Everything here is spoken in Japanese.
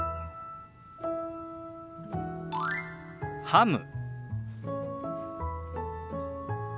「ハム」。